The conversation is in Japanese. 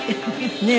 ねえ。